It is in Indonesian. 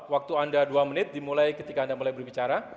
waktu anda dua menit dimulai ketika anda mulai berbicara